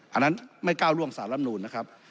อันนั้นไม่ก้าวร่วงสารลำนูนนะครับ